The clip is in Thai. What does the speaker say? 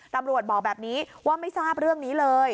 บอกแบบนี้ว่าไม่ทราบเรื่องนี้เลย